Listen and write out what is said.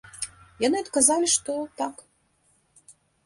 Яны адказалі, што, так.